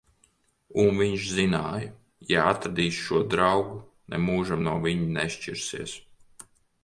Un viņš zināja: ja atradīs šo draugu, nemūžam no viņa nešķirsies.